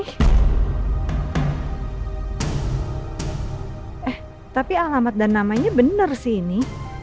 eh tapi alamat dan namanya benar sih ini